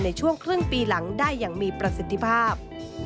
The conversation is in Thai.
ในช่วงครึ่งปีหลังได้อย่างมีประสิทธิภาพ